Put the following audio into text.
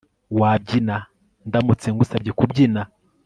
wabyina ndamutse ngusabye kubyina